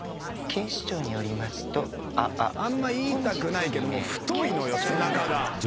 ・警視庁によりますと。あんま言いたくないけどもう太いのよ背中が。